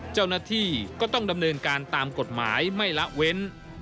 เจ้าหน้าที่ก็ต้องดำเนินการตามกฎหมายไม่ละเว้น